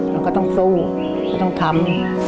เราก็ต้องสู้ต้องทำ